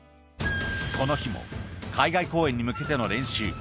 この日も海外公演に向けての練習。